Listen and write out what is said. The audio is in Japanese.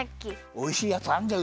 おいしいやつあんじゃん。